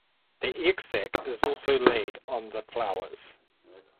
The egg sac is also laid on the flowers.